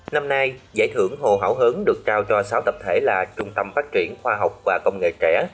năm nay giải thưởng hồ hảo hớn được trao cho sáu tập thể là trung tâm phát triển khoa học và công nghệ trẻ